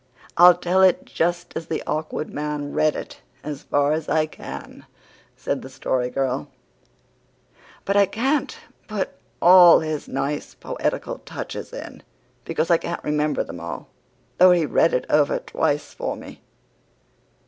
"I'll tell it just as the Awkward Man read it, as far as I can," said the Story Girl, "but I can't put all his nice poetical touches in, because I can't remember them all, though he read it over twice for me."